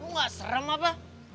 lo gak serem apa